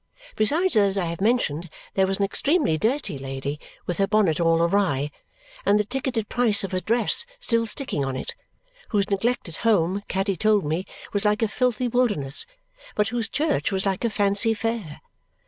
Besides those I have mentioned, there was an extremely dirty lady with her bonnet all awry and the ticketed price of her dress still sticking on it, whose neglected home, Caddy told me, was like a filthy wilderness, but whose church was like a fancy fair.